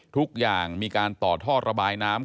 ทุกอย่างมีการต่อท่อระบายน้ำ